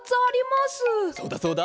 そうだそうだ。